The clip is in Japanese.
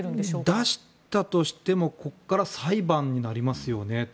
出したとしてもここから裁判になりますよねと。